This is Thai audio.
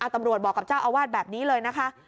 ตำรวจบอกกับเจ้าอาวาสแบบนี้เลยนะคะ